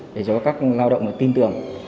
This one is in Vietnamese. để cho các lao động tin tưởng